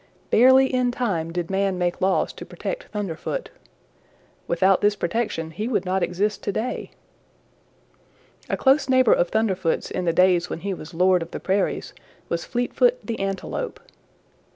Barely in time did man make laws to protect Thunderfoot. Without this protection he would not exist to day. "A close neighbor of Thunderfoot's in the days when he was Lord of the Prairies was Fleetfoot the Antelope.